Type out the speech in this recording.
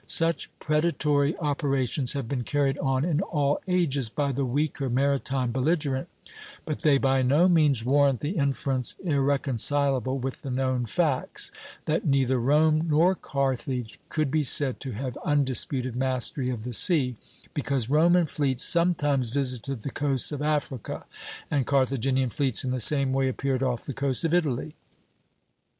Such predatory operations have been carried on in all ages by the weaker maritime belligerent, but they by no means warrant the inference, irreconcilable with the known facts, "that neither Rome nor Carthage could be said to have undisputed mastery of the sea," because "Roman fleets sometimes visited the coasts of Africa, and Carthaginian fleets in the same way appeared off the coast of Italy."